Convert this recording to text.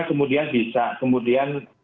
kemudian bisa kemudian